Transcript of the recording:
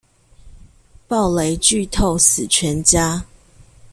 暴雷劇透死全家